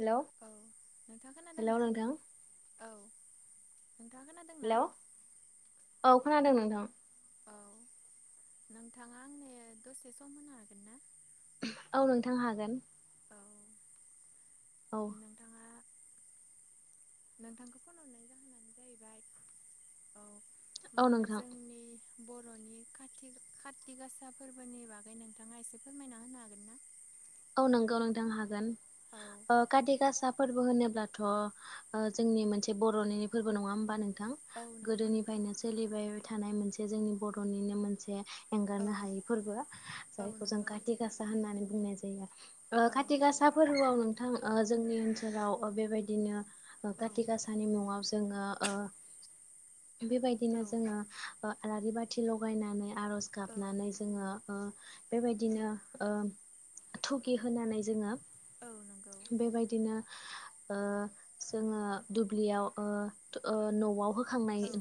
Hello औ नोंथाङा hello खोनादोंना नोंथां औ नोंथाङा खोनादोंना हेल' औ खोनादों नोंथां औ नोंथाङा आंनो दसे सम होनो हागोन ना [unintelligible] औ नोंथां हागोन औ औ नों नोंथाङा नोंथांखौ फन हरनायनि जाहोनानो जाहैबाय औ मा औ होनो नोंथां जोंनि बर'नि काति खाति गासा फोरबोनि बागै नोंथाङा एसे फोरमायना होनो हागोन ना [unintelligible] औ नंगौ नोंथां हागोन औ ओ काथि गासा फोरबो होनोब्लाथ' ओ जोंनि मोनसे बर'नि फोरबो नङा होमबा नों नोंथां औ नंगौ नोंथां गोदोनिफ्रायनो सोलिबाय बाय थानाय मोनसे जोंनि बर'निनो मोनसे औ एंगारनो हायै फोरबो औ जायखौ जों नंगौ काथि गासा होननानै बुंनाय जायो ओ औ काथि गासा फा फोरबोआव नोंथां ओ जोंनि ओनसोलाव ओ बेबायदिनो ओ औ काथि गासा निमुंआव जोङो ओ औ बेबायदिनो जोङो ओ आलारि बाथि साथि लगायनानै आरज औ गाबनानै जोङो ओ बेबायदिनो ओ [unintelligible] थुगि होनानै जोङो औ नोंगौ बेबायदिनो ओ जोङो दुब्लिआव ओ ओ न' आव होखां होखांनाय औ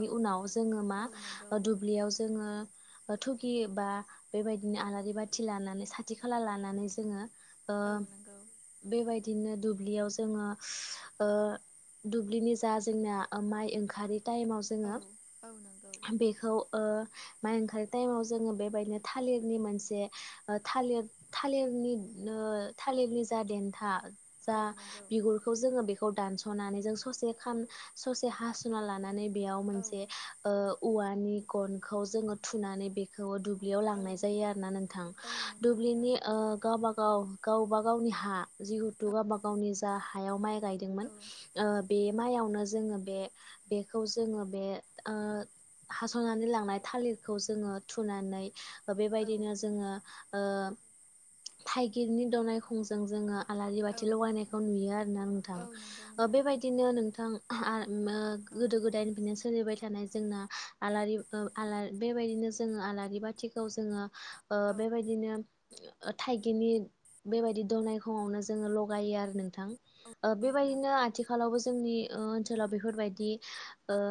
औ उनाव जोङो मा औ नंगौ ओ दुब्लिआव जोङो ओ थुगि बा बेबायदिनो आलारि बाथि लानानै साथि खाथि खाला लानानै जोङो ओ औ नंगौ बेबायदिनो दुब्लियाव जोङो ओ दुब्लिनि जा जोंनिया ओ माइ ओंखारै टाइमाव औ जोङो औ नंगौ बे बेखौ ओ माइ ओंखारि टाइमाव जोङो बेबायदिनो थालिरनि मोनसे ओ थालिर थालिरनि ओ थालिरनि जा देन्था जा औ नंगौ बिगुर बेखौ जोङो बेखौ जों दानसनानै जों ससे खा ससे हासना लानानै बेयाव औ मोनसे ओ औवानि गनखौ जोङो थुनानै बेखौ दुब बियाव लांनाय जायो आरोना नोंथां औ नंगौ नोंथां दुब्लिनि ओ गावबा गाव गावबा गावनि हा औ जिहेथु गावबा गावनि जा हायाव माइ गाय दोंमोन औ ओ बे माइयावनो जोङो बे बेखौ जोङो बे ओ हास'नानै लांनाय थालिरखौ जोङो थुनानै ओ बेबायदिनो जोङो ओ थाइगिरनि दनाय खंजों जोङो आलारि औ बाथि लगायनायखौ नुयो आरोना नोंथां। औ नंगौ ओ नोंथां बेबाय दिनो नोंथां आ ओ औ गोदो गोदायनि बिदिनो सोलिबाय थानाय जोंना आलारि [unintelligible] बेबायदिनो जोङो आलारि बाथिखौ जोङो ओ औ बेबायदि दिनो थाइगिरनि बेबायदि दनायखंङावनो जोङो लगायो आरो नोंथां। औ ओ नोंथां बेबायदिनो आथिखालावबो जोंनि ओ ओनसोलाव बेफोरबायदि ओ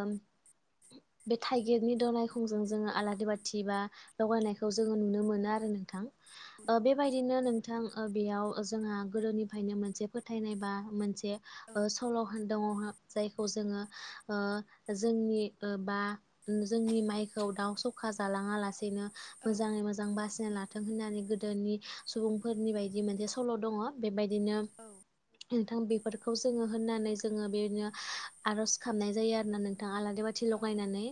बे थाइगिरनि दनायखंजों जोङो आलारि बाथि बा लगायनायखौ जोङो नुनो मोनो आरो नोंथां। औ ओ बेबायदिनो नोंथां ओ बेयाव जोंहा गोदोनिफ्रायनो मोनसे फोथायनाय बा मोनसे ओ सल' दङ जायखौ जोङो ओ जोंनि ओ बा जोंनि माइखौ दाउ सखा जालाङा लासेनो औ मोजाङै मोजां बासिना लाथों होननानै गोदोनि सुबुंफोरनि बायदि मोनसे सल' दङ। बेबायदिनो औ नोंथां बेफोरखौ जोङो होननानै जोङो बेबायदिनो आर'ज खामनाय जायो आरोना नों थां आलारि बाथि औ लगायनानै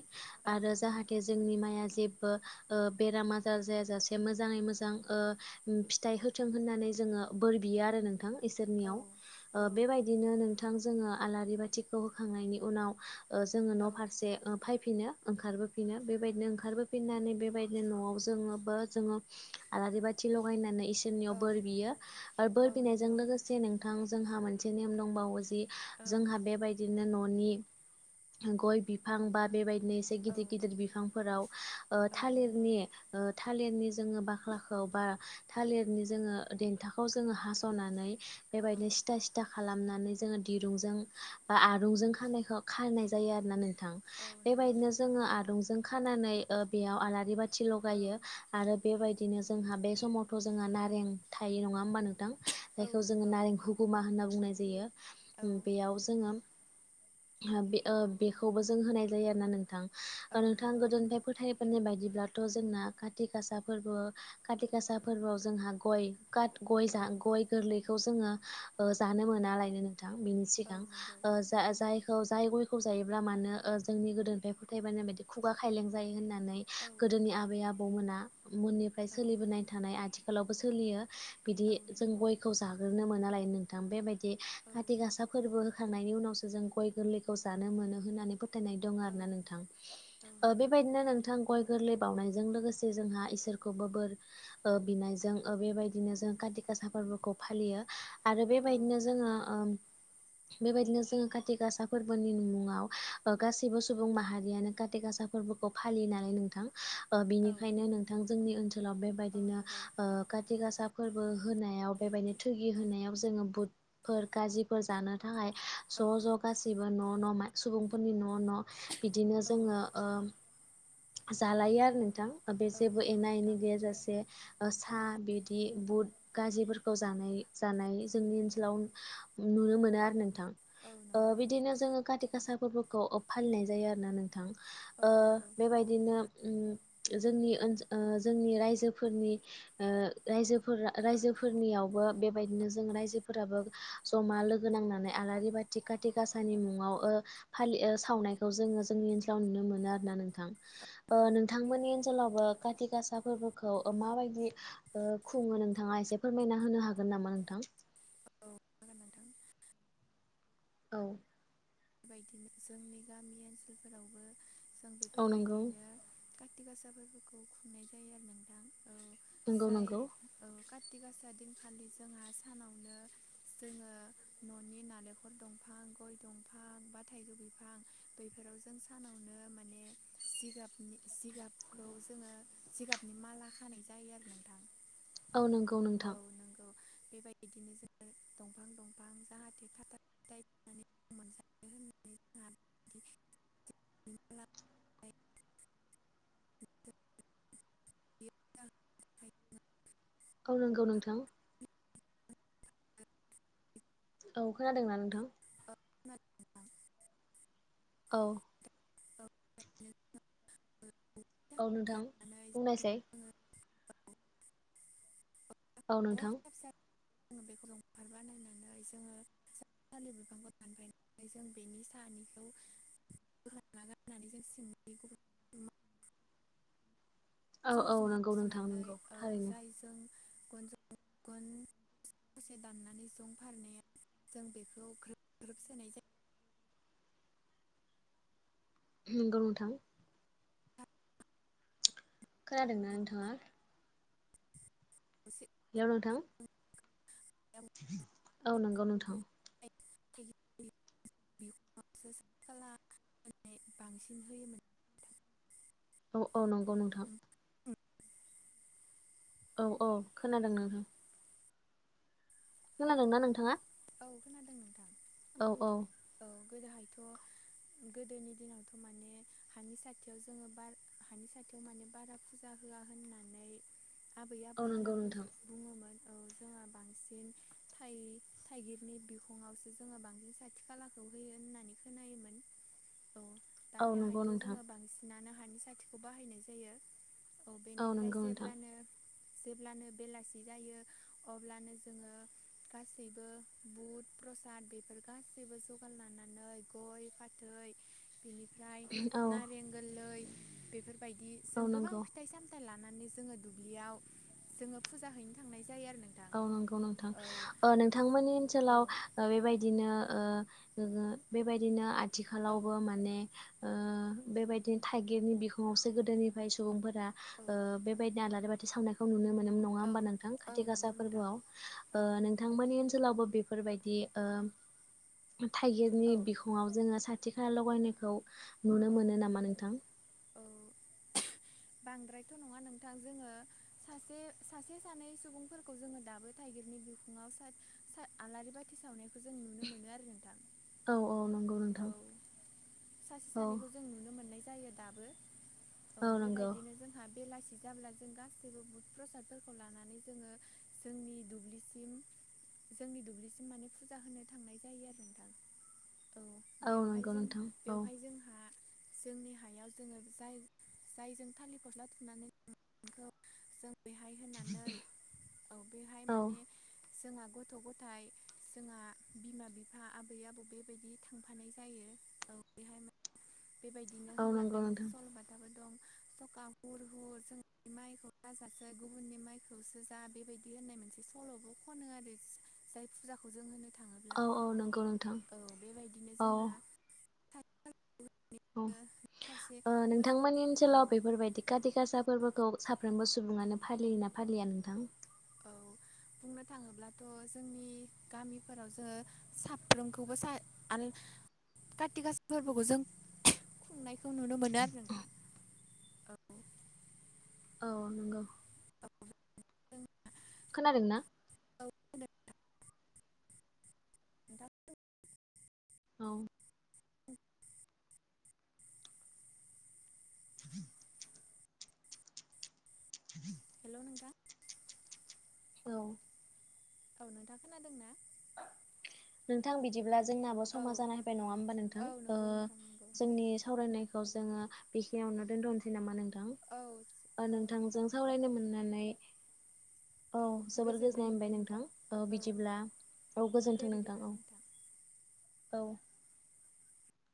औ आरो नंगौ जाहाथे नोंथां जोंनि माइआ जेबो ओ बेराम आजार जायाजासे मो मोजाङै मोजां ओ फिथाइ होथों होननानै जोङो बोर बियो आरो नोंथां। औ इसोरनियाव ओ औ बेबायदिनो नोंथां जोङो आलारि बाथिखौ होखांनायनि उनाव ओ जोङो न' औ फारसे ओ फैफिनो ओंखारबोफिनो बेबायदिनो ओंखारबोफिननानै बेबायदिनो न'आव जोङोबो जोङो आलारि बाथि लगायनानै इसोरनियाव औ बोर बियो आरो औ बोर बिनायजों नंगौ लोगोसे नोंथां जोंहा मोनसे नेम दंबावो जि औ जोंहा बेबाय दिनो न'नि गय बिफां बा बेबायदिनो औ गिदिर गिदिर बिफांफोराव ओ औ नंगौ थालिरनि ओ थालिरनि जोङो बाख्लाखौ बा थालिरनि जोङो देन्थाखौ जोङो हास'नानै औ बेबायदिनो सिथा सिथा था खालामनानै जोङो दिरुंजों बा आरुंजों खानायखौ खारनाय जायो आरोना नों थां। औ नंगौ बेबायदिनो जोङो आलुंजों खानानै ओ बेयाव आलारि बाथि औ लगायो। आरो बेबायदिनो जोंहा बे समावथ' जोंहा नारें थायो नङा होमबा नोंथां? औ जायखौ जोङो नंगौ नारें हुगुमा होनना बुंनाय औ जायो बेयाव जोङो बे बेखौबो जों होनाय जायो आरोना नोंथां औ नंगौ औ नोंथां नंगौ गोदोनिफ्राय फोथायबोननाय बायदिब्लाथ' जोंना खाथि गासा फोरबो खाथि गासा फोरबोआव जोंहा गय गाथ औ नंगौ औ गय गोरलैखौ जोङो ओ जानो मोनालायनो नोंथां बिनि सिगां ओ जा-जाय जाय गयखौ जायोब्ला मानो ओ जोंनि गोदोनिफ्राय फोथायबोनाय बायदि खुगा खायलें जायो होननानै। गोदोनि आबै आबौमोना मोननिफ्राय औ नंगौ सोलिबोनाय थानाय आथिखालावबो सोलियो। बिदि औ जों गय खौ जाग्रोनो मोनालायनो नोंथां बेबायदि खाथि गासा फोरबो होखांनायनि उनावसो जों गय गोरलै खौ जानो मोनो होननानै फोथायनाय दं आरो ना नोंथां। ओ नंगौ बेबायदिनो नोंथां गय गोरलै बावनायजों लोगोसे जोंहा इसोरखौबो बोर ओ बिनायजों बेबायदिनो जों काति गासा फोरबोखौ फालियो‌। आरो बेबायदिनो जोङो ओम बेबायदिनो जोङो काति गासा फोरबोनि मुङाव ओ गासैबो सुबुं माहारियानो काति गासाफ फोरबोखौ फालिनानै नोंथां ओ औ बिनिखायनो नोंथां जोंनि ओनसोलाव औ बेबायदिनो नंगौ ओ काति गासा फोरबो होनायाव बेबायदिनो थोगि औ होनायाव जोङो बुदफोर गाजिफोर जानो थाखाय ज' औ ज' गासैबो न' न' मा सुबुंफोरनि न' न' बिदिनो औ जोङो ओ जालायो आरो नोंथां ओ बे औ जेबो नंगौ एना एनि नोंथां गैयाजासे ओ औ सा बिद दि बुट गाजिफोरखौ जानाय जानाय जोंनि ओनसोलाव नुनो मोनो आरो नोंथां औ ओ नंगौ बिदिनो जोङो काति गासा फोरबोखौ अफ फालिनाय जायो आरोना नोंथ थां औ ओ नंगौ औ बेबायदिनो उम जोंनि ओन ओ जोंनि रायजोफोरनि ओ रायजोफोरा रायजोफोरनियावबो बेबायदिनो जों रायजोफोराबो जमा लोगो नांनानै आलारि बाथि काति गाासानि मुङाव ओ फालि ओ सावनायखौ जोङो जोंनि ओनसोलाव नुनो मोनो आरोना नोंथां ओ नंगौ नोंथांमोननि ओनसोलावबो काति गासा फोरबोखौ ओ माबायदि ओ खुङो नोंथाङा एसे फोरमायना होनो हागोन नामा नोंथां? हागोन नोंथां। औ बेफोरबायदिनो जोंनि गामि ओनसोलफोरावबो जों औ नंगौ बेफोरबायदिनो काति गासा फोरबोखौ खुंनाय जायो आरो नोंथां औ नंगौ जाय नंगौ औ काति गासा दिनखालि जोंहा सानावनो जोङो न'नि नालेंखर दंफां, गय दंफ फां बा थाइजौ बिफां बैफोराव जों सानावनो माने जिगाब नि जिगाबखौ जोङो जिगाबनि माला खानाय जायो आरो नोंथां औ नंगौ औ नोंथां नंगौ बेबायदिनो जोङो दंफां दंफां जाहाथे था था जाय माने मोनसे दाननानै जोङो औ नंगौ नोंथां। औ खोनादोंना नोंथां? खोनादों नोंथां। औ बिदिनो [unintelligible] औ नोंथां बुंनायसाय? [unintelligible] औ औवा नोंथां फिसा फिसा जोङो बेखौ जंफार बानायनानै जोङो थालिर बिफांखौ दानफायना नै जों बेनि सानिखौ बोखांना लाबनानै जों सिंनि गुस औ सुं औ गुसुं नंगौ नोंथां हास'नानै नंगौ औ थारैनो जायजों गन जों गन दसे दाननानै जं फारनायाव जों बेखौ ग्रोब ग्रोब सोनाय जायो। नोंगौ नोंथां। खोनादोंना नोंथाङा? गुसे हेलौ नोंथां [unintelligible] औ नंगौ नोंथां। [unintelligible] [unintelligible] माने बांसिन होयोमोन औ औ नंगौ नोंथाङा औ औ खोनादों नोंथां खोनादोंना नोंथाङा औ खोनादों नोंथां औ औ औ गोदोहायथ' गोदोनि दिनावथ' माने हानि साथियाव जोङो बार हानि साथियाव माने बारा फुजा होया होननानै आबै औ आबौमोना नंगौ नोंथां खोनथा बुङोमोन औ जोंहा बांसिन थाइ थाइगिरनि बिखङावसो जोङो बांसिन सथि खालाखौ होयो होननानै खोनायोमोन औ औ नंगौ दानियाहायथ' नोंथां जोङो बांसिनानो हानि साथिखौ बाहायनाय जायो औ बेनिफ्राय नंगौ नोंथां जेब्लानो जेब्लानो बेलासि जायो अब्लानो जोङो गासैबो बुद प्रसाद बेफोर गासैबो जगार लानानै गय फाथै बिनि ओमफ्राय औ नारें गोरलै बेफोरबायदि औ जों गोबां नंगौ फिथाइ सामथाइ लानानै जोङो दुब्लियाव जोङो फुजा हैनो थांनाय जायो आरो नोंथां औ नंगौ नोंथां औ ओ नोंथांमोननि औ ओनसोलाव बेबायदिनो ओ बेबायदिनो औ आथिखालावबो माने ओ बेबायदि थाइगिरनि बिखङावसो गोदोनिफ्राय सुबुंफोरा बेबायदिनो आलारि बाथि सावनायखौ नुनो मोनोमोन नङा औ होमबा नोंथां खाथि औ गासा नंगौ नोंथां फोरबोआव ओ औ नोंथांमोननि ओनसोलावबो बेफोरबायदि ओ थाइगिरनि औ बिखङाव जोङो साथि खाला लगायनायखौ नुनो औ मोनो नामा नोंथां? औ बांद्रायथ' नङा नोंथां जोङो सासे सासे सानै सुबुंफोरखौ जोङो दाबो थाइगिरनि बिुङाव स आलारि बाथि सावनायखौ जों नुनो मोनो आरो नोंथां औ औ नंगौ नोंथां औ सासे औ सानैखौ जों नुनो मोननाय जायो दाबो औ बेबायदिनो जोंहा बेलासि जाब्ला जों गासैबो बुद प्रसादफोरखौ लानानै जोङो जोंनि दुब्लिसिम जोंनि दुब्लिसिम माने फुजा होनो थांनाय जायो आरो नोंथां। औ औ बेवहाय नंगौ जों नोंथां औ बेवहाय जोंहा जोंनि हायाव जोङो जाय जायजों थालिर फस्ला थुनानै खौ जों बेहाय होनानै औ बेहाय औ माने जोंहा गथ' गथाइ जोंहा बिमा बिफा आबै आबौ बेबायदि थांफानाय जायो औ बेहाय बेबायदि बिदिनो औ नंगौ होनलांनाय मोनसे नोंथां सल'बाथाबो दं गाव हुर हुर जोंहानि माइखौ दाजासो गुबुननि माइखौसो जा बेबायदि होननाय मोनसे सल'बो खनो आरो जाय फुजा खौ जों होनो थाङोब्ला औ नंगौ नोंथां औ बेबायदिनो औ जोंहा फारसे औ मोज नोंथांमोननि औ ओनसोलाव बेफोरबायदि काति गासा फोरबोखौ साफ्रोमबो सुबुङानो फालियोना फालिया नोंथां औ बुंनो थाङोब्लाथ' जोंनि गामिफोराव जो साफ्रोमखौबो सा आरो काति गासा फोरबोखौ जों खुंनायखौ नुनो मोनो आरो नोंथां औ। औ औ नंगौ। [unintelligible] खोनादों ना? औ खोनादों नोंथां। [unintelligible] औ [inaudible] [inaudible] हेलौ नोंथां। औ औ नोंथाङा खोनादों ना? नोंथां बिदिब्ला जोंनाबो औ समा जाना फैबाय नङा होमबा नोंथां औ ओ नंगौ नोंथां नंगौ जोंनि सावरायनाय खौ जोङो बेखिनियावनो दोनथ'नोसै नामा नोंथां? औ ओ औ नोंथांजों जागोन नोंथां सावरायनो मोननानै औ जोबोर गोजोननाय मोनबाय नोंथां औ बिदिब्ला दे गोजोनथों नोंथां बिदिब्ला औ औ।